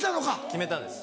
決めたんです。